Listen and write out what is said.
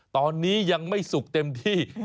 ตอนนี้ยังไม่สุกเต็มที่